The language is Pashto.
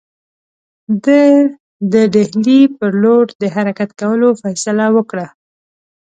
ده د ډهلي پر لور د حرکت کولو فیصله وکړه.